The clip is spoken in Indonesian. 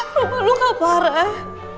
roman lu gak parah